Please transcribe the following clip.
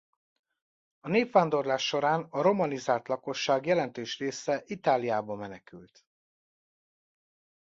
A népvándorlás során a romanizált lakosság jelentős része Itáliába menekült.